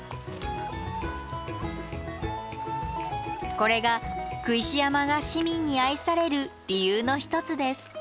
これが工石山が市民に愛される理由の一つです。